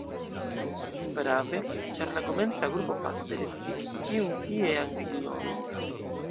Prave, ĉar la komenca grupo fakte revivigis ĉiun tiean regionon.